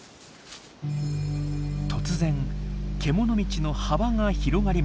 突然けもの道の幅が広がりました。